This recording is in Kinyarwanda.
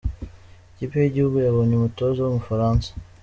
Ikipe yigihugu yabonye umutoza w’Umufaransa